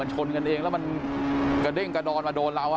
อาจมันเกิดมันชนกันเองแล้วก็เด้งกระด่อนมาโดนเราอ่ะ